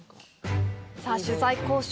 取材交渉。